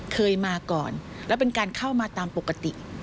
เคยมาก่อนแล้วเป็นการเข้ามาตามปกติ